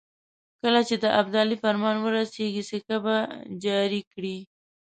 کله چې د ابدالي فرمان ورسېږي سکه به جاري کړي.